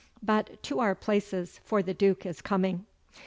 But to our places, for the Duke is coming.